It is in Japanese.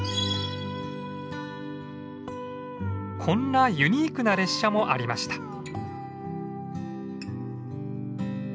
こんなユニークな列車もありました。